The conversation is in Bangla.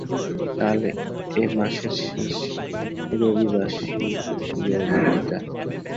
কাল এ-মাসের শেষ রবিবাসরীয় বক্তৃতা।